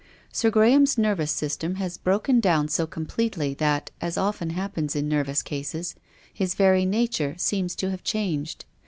Sir Graham's nervous system has broken down so completely that, as oftens hap pens in nervous cases, his very nature seems to have changed.